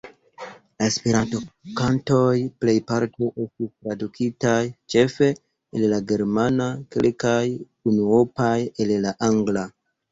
La Esperanto-kantoj plejparte estis tradukitaj; ĉefe el la germana, kelkaj unuopaj el la angla.